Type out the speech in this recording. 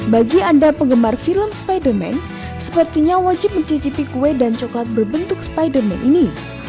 bagi anda penggemar film spider man sepertinya wajib mencicipi kue dan coklat berbentuk spider man ini